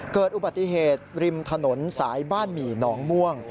เกิดอุบัติเหตุริมถนนสายบ้านหมี่หนองม่วง